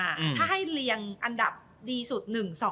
ถ้าให้เรียงอันดับดีสุด๑๒